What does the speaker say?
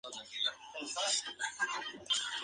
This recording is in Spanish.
Graduado en la Universidad Nacional del Comahue.